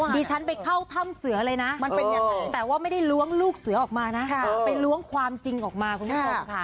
ดิฉันไปเข้าถ้ำเสือเลยนะแต่ว่าไม่ได้ล้วงลูกเสือออกมานะไปล้วงความจริงออกมาคุณแจ๊คกรบค่ะ